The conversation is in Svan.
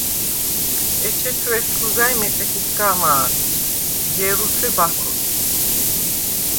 ეჩეჩუ ეშხუ ზა̈ჲ მეტეხისგა ამა̄დ, ჲერუ თუ̂ე ბაქოს.